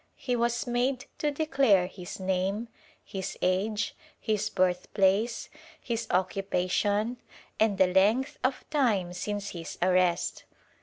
He was made to declare his name, his age, his birth place, his occupation and the length of time since his arrest.